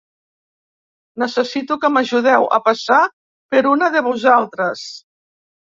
Necessito que m'ajudeu a passar per una de vosaltres.